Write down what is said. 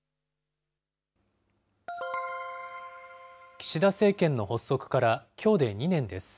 岸田政権の発足からきょうで２年です。